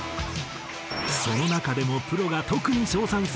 その中でもプロが特に称賛する楽曲。